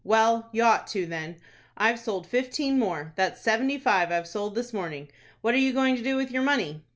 "Well, you ought to, then. I've sold fifteen more. That's seventy five I've sold this morning. What are you going to do with your money?"